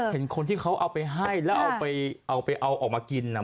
เห็นคนที่เขาเอาไปให้แล้วเอาไปเอาออกมากิน